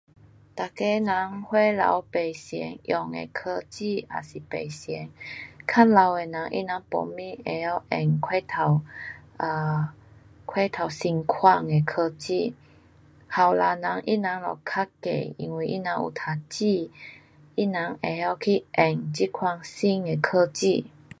每个人岁数不同，用的科技也是不同。较老的人他人没什么会晓用过头 um 过头新款的科技。年轻人他人就较易，因为他人有读书。他人会晓去用这款新的科技。